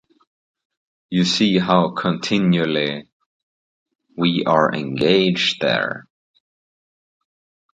You see how continually we are engaged there.